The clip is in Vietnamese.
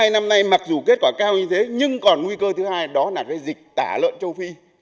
năm nay mặc dù kết quả cao như thế nhưng còn nguy cơ thứ hai đó là dịch tả lợn châu phi